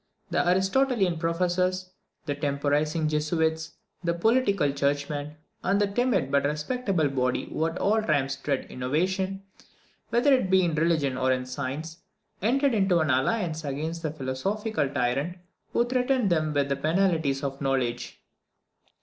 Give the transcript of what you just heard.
The Aristotelian professors, the temporising Jesuits, the political churchmen, and that timid but respectable body who at all times dread innovation, whether it be in religion or in science, entered into an alliance against the philosophical tyrant who threatened them with the penalties of knowledge.